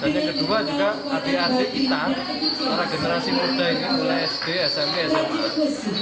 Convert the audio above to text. dan yang kedua juga ata cita para generasi muda ini mulai sd smb smb